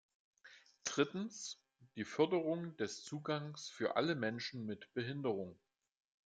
Drittens, die Förderung des Zugangs für alle Menschen mit Behinderungen.